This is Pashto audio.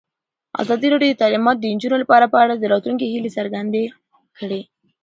ازادي راډیو د تعلیمات د نجونو لپاره په اړه د راتلونکي هیلې څرګندې کړې.